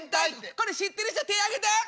これ知ってる人手挙げて！